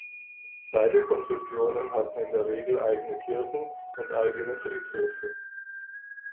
Beide Konfessionen hatten in der Regel eigene Kirchen und eigene Friedhöfe.